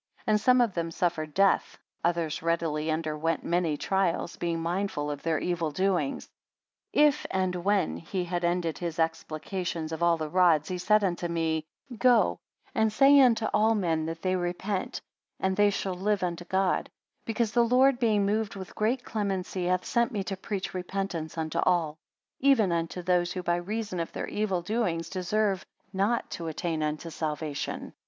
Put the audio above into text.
And some of them suffered death: others readily underwent many trials, being mindful of their evil doings. 79 If And when he had ended his explications of all the rods, he said unto me, Go, and say unto all men that they repent, and they shall live unto God; because the Lord being moved with great clemency hath sent me to preach repentance unto all: 80 Even unto those who by reason of their evil doings, deserve not to attain unto salvation.